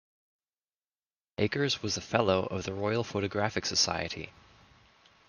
Acres was a Fellow of the Royal Photographic Society.